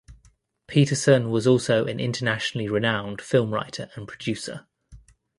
Peterson was also an internationally renowned film writer and producer.